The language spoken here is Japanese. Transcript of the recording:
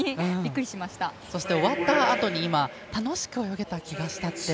そして終わったあとに楽しく泳げた気がしたって。